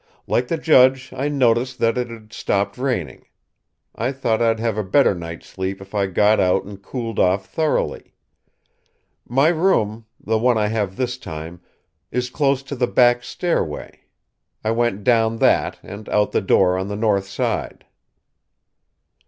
Like the judge, I noticed that it had stopped raining. I thought I'd have a better night's sleep if I got out and cooled off thoroughly. My room, the one I have this time, is close to the back stairway. I went down that, and out the door on the north side."